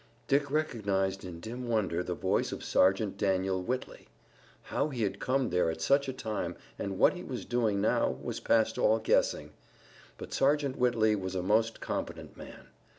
Dick recognized in dim wonder the voice of Sergeant Daniel Whitley. How he had come there at such a time, and what he was doing now was past all guessing, but Sergeant Whitley was a most competent man.